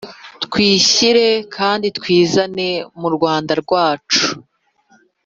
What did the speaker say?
Twishyire kandi twizane mu Rwanda rwacu.